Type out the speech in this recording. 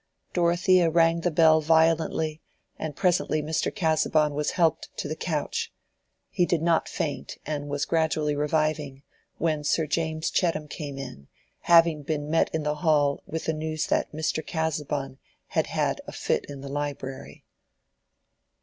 Dorothea rang the bell violently, and presently Mr. Casaubon was helped to the couch: he did not faint, and was gradually reviving, when Sir James Chettam came in, having been met in the hall with the news that Mr. Casaubon had "had a fit in the library."